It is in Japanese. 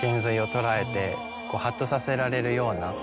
ハッとさせられるような。